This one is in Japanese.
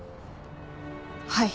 はい。